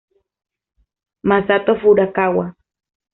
Masato Furukawa